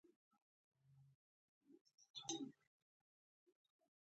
غوا د ځمکې پر مخ یو پیاوړی څاروی دی.